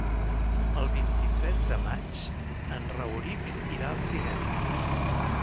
El vint-i-tres de maig en Rauric irà al cinema.